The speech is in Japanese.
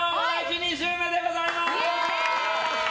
２周目でございます！